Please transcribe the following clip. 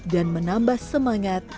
dan menambah semangat